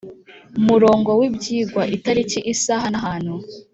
Murongo w ibyigwa itariki isaha n ahantu